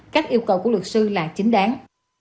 cách yêu cầu của luật sư là chính đáng